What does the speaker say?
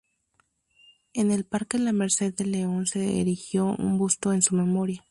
En el Parque La Merced de León se erigió un busto en su memoria.